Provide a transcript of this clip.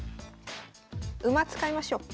馬使いましょう。